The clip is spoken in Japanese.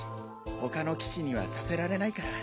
他の棋士にはさせられないから。